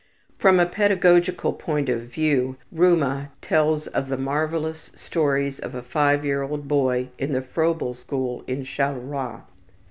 From a pedagogical point of view Rouma tells of the marvelous stories of a five year old boy in the Froebel school at Charleroi.